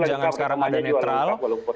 jangan sekarang ada netral